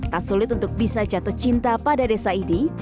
tak sulit untuk bisa jatuh cinta pada desa ini